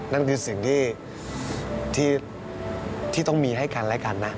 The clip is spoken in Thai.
นั่นคือสิ่งที่ต้องมีให้กันและกันนะ